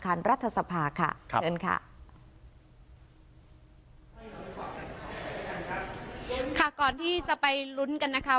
ก่อนที่จะไปลุ้นกันนะคะ